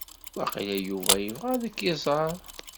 Waqila Yuba ibɣa ad ak-iẓer.